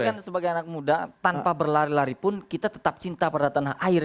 tapi kan sebagai anak muda tanpa berlari lari pun kita tetap cinta pada tanah air